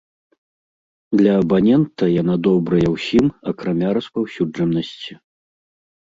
Для абанента яна добрая ўсім, акрамя распаўсюджанасці.